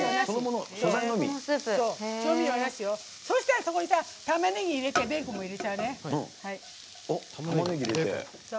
そしたらそこにたまねぎを入れてベーコンも入れちゃうね。